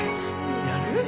やる？